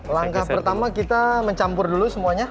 langkah pertama kita mencampur dulu semuanya